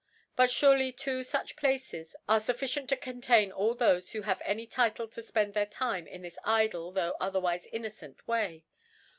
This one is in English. But furely two fuch Places are fufficient to contain all thofc who have any Title to Ipend their Time in, this idle, though otherwife innocent Way.